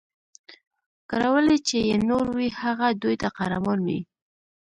کړولي چي یې نور وي هغه دوی ته قهرمان وي